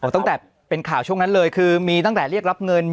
ตั้งแต่เป็นข่าวช่วงนั้นเลยคือมีตั้งแต่เรียกรับเงิน